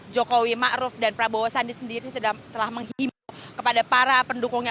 jokowi ma'ruf dan prabowo sandi sendiri telah menghimo kepada para pendukungnya